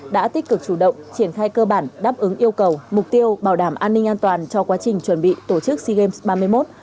đã tích cực chủ động triển khai cơ bản đáp ứng yêu cầu mục tiêu bảo đảm an ninh an toàn cho quá trình chuẩn bị tổ chức sea games ba mươi một